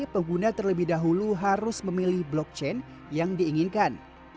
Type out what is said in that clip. pengguna terlebih dahulu harus memilih blockchain yang diinginkan